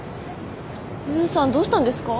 勇さんどうしたんですか？